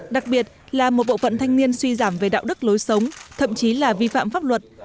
đặc biệt là một bộ phận thanh niên suy giảm về đạo đức lối sống thậm chí là vi phạm pháp luật